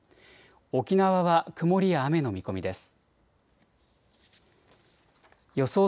沖縄は曇りや雨の見込みです。